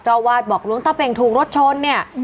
วาดบอกหลวงตาเป่งถูกรถชนเนี่ย